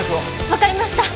わかりました。